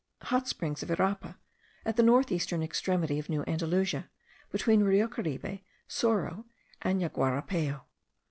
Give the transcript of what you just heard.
Hot Springs of Irapa, at the north eastern extremity of New Andalusia, between Rio Caribe, Soro, and Yaguarapayo.